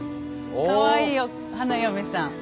かわいいよ花嫁さん。